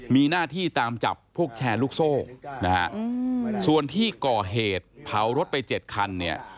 มีหน้าที่ตามจับพวกแชร์ลูกโซ่นะฮะส่วนที่ก่อเหตุเผารถไปเจ็ดคันเนี่ย